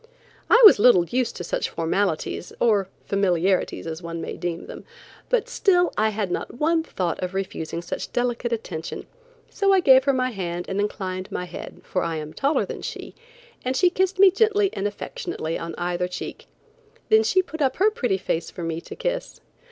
I was little used to such formalities, or familiarities, as one may deem them, but still I had not one thought of refusing such delicate attention, so I gave her my hand and inclined my head, for I am taller than she, and she kissed me gently and affectionately on either check. Then she put up her pretty face for me to kiss.